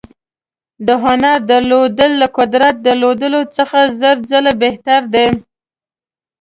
د هنر درلودل له قدرت درلودلو څخه زر ځله بهتر دي.